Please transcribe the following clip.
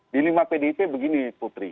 di lima pdip begini putri